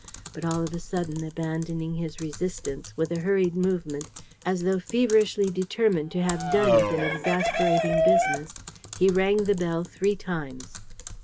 But, all of a sudden, abandoning his resistance, with a hurried movement, as though feverishly determined to have done with an exasperating business, he rang the bell three times.